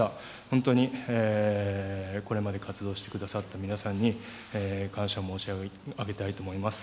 本当にこれまで活動してくださった皆さんに感謝申し上げたいと思います。